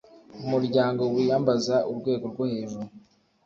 umuryango wiyambaza urwego rwo hejuru